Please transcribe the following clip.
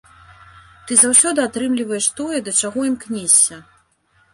Ты заўсёды атрымліваеш тое, да чаго імкнешся.